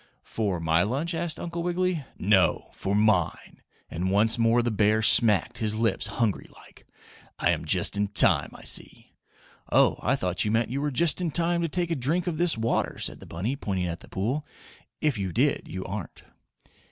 "For my lunch?" asked Uncle Wiggily. "No. For MINE!" and once more the bear smacked his lips hungry like. "I am just in time, I see." "Oh, I thought you meant you were just in time to take a drink of this water," said the bunny, pointing at the pool. "If you did, you aren't."